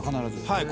はい。